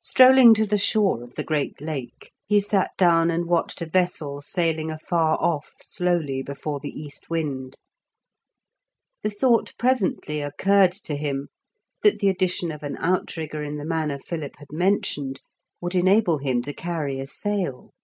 Strolling to the shore of the great Lake, he sat down and watched a vessel sailing afar off slowly before the east wind. The thought presently occurred to him, that the addition of an outrigger in the manner Philip had mentioned would enable him to carry a sail.